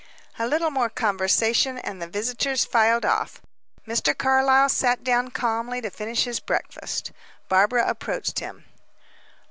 A little more conversation, and the visitors filed off. Mr. Carlyle sat down calmly to finish his breakfast. Barbara approached him.